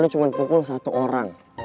cuma pukul satu orang